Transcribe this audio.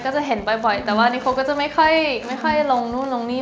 จะเห็นบ่อยแต่ว่านิคมก็จะไม่ค่อยลงนู่นลงนี่